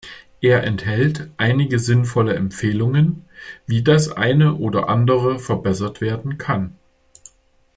Er enthält einige sinnvolle Empfehlungen, wie das eine oder andere verbessert werden kann.